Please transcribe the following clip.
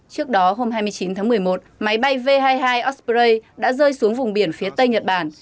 trước đó hôm hai mươi chín tháng một mươi một máy bay v hai mươi hai osprey đã rơi xuống vùng biển phía tây nhật bản